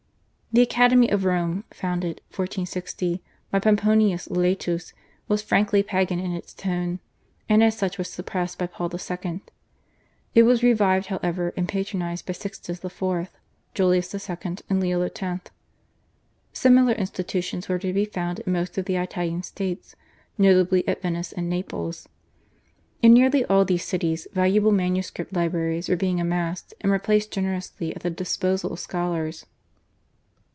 The academy of Rome, founded (1460) by Pomponius Laetus, was frankly Pagan in its tone and as such was suppressed by Paul II. It was revived, however, and patronised by Sixtus IV., Julius II., and Leo X. Similar institutions were to be found in most of the Italian States, notably at Venice and Naples. In nearly all these cities valuable manuscript libraries were being amassed, and were placed generously at the disposal of scholars.